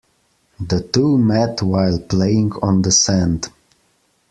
The two met while playing on the sand.